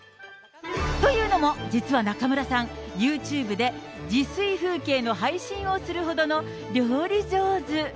というのも、実は中村さん、ユーチューブで自炊風景の配信をするほどの料理上手。